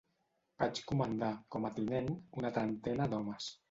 Vaig comandar, com a tinent, una trentena d'homes